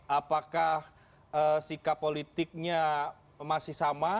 apakah sikap politiknya masih sama